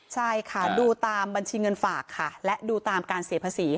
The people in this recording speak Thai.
ใช่ค่ะดูตามบัญชีเงินฝากค่ะและดูตามการเสียภาษี